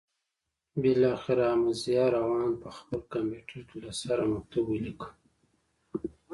بالاخره احمدضیاء روان په خپل کمپیوټر کې له سره مکتوب ولیکه.